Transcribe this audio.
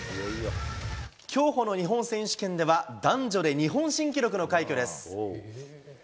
競歩の日本選手権では、男女で日本新記録の快挙です。